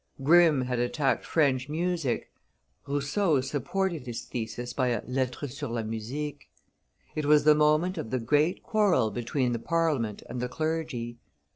Grimm had attacked French music, Rousseau supported his thesis by a Lettre sur la Musique. It was the moment of the great quarrel between the Parliament and the clergy.